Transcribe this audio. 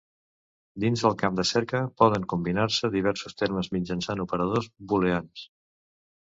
Dins del camp de cerca poden combinar-se diversos termes mitjançant operadors booleans.